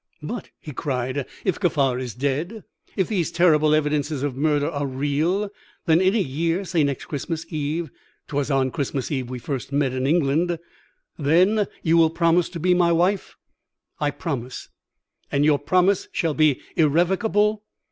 "'But,' he cried, 'if Kaffar is dead, if these terrible evidences of murder are real, then in a year say next Christmas Eve; 'twas on Christmas Eve we first met in England then you will promise to be my wife?' "'I promise.' "'And your promise shall be irrevocable?'